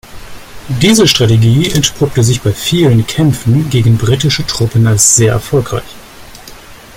Diese Strategie entpuppte sich bei vielen Kämpfen gegen britische Truppen als sehr erfolgreich.